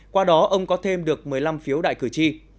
qua đó ông có thêm được một mươi năm phiếu đại cử tri